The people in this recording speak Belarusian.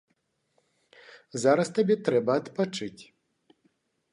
Зараз табе трэба адпачыць.